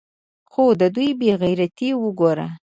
خو د دوى بې غيرتي اوګوره.